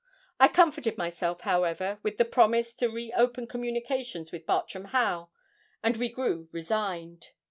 I comforted myself, however, with her promise to re open communications with Bartram Haugh, and we grew resigned.